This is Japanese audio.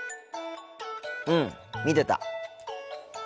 うん見てた。